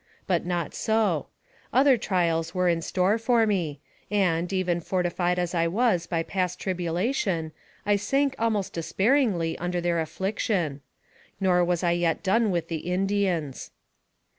But not so. Other trials were in store for me, and, even fortified as I was by past tribulation, I sank almost despairingly under their affliction. Nor was I yet done with the Indians.